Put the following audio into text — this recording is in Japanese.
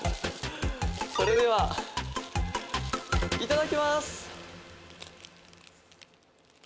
それでは、いただきます！